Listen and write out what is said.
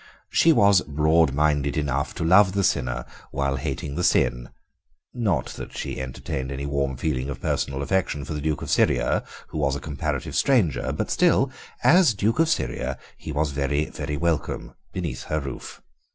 She was broad minded enough to love the sinner while hating the sin—not that she entertained any warm feeling of personal affection for the Duke of Syria, who was a comparative stranger, but still, as Duke of Syria, he was very, very welcome beneath her roof.